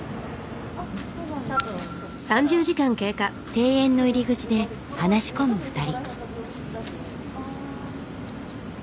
庭園の入り口で話し込む２人。